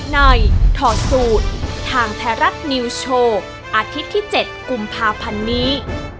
ถอดสูตรทางไทยรัฐนิวส์โชว์อาทิตย์ที่๗กุมภาพันธ์นี้